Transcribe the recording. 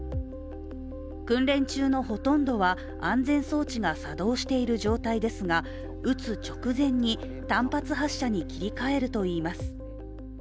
訓練中のほとんどは安全装置が作動している状態ですが、撃つ直前に単発発射に切り替えるといいます。